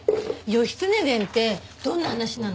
『義経伝』ってどんな話なの？